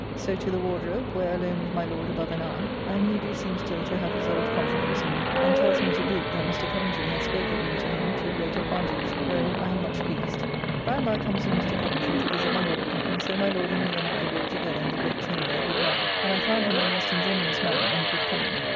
So to the Wardrobe, where alone with my Lord above an hour; and he do seem still to have his old confidence in me; and tells me to boot, that Mr. Coventry hath spoke of me to him to great advantage; wherein I am much pleased. By and by comes in Mr. Coventry to visit my Lord; and so my Lord and he and I walked together in the great chamber a good while; and I found him a most ingenuous man and good company.